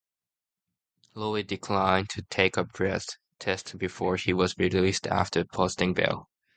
Lowe declined to take a breath test before he was released after posting bail.